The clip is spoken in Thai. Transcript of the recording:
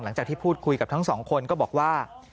หลังจากที่พูดคุยกับทั้งสองคนก็บอกว่า